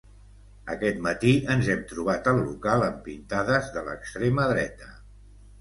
Aquest matí ens hem trobat el local amb pintades de l'extrema dreta.